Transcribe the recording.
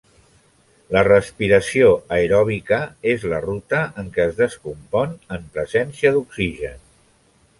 La respiració aeròbica és la ruta en què es descompon en presència d'oxigen.